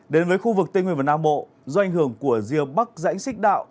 đến với khu vực tây nguyên và nam bộ do ảnh hưởng của rìa bắc rãnh xích đạo